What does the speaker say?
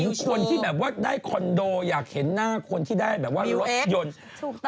คนที่แบบว่าได้คอนโดอยากเห็นหน้าคนที่ได้แบบว่ารถยนต์